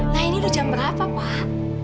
nah ini jam berapa pak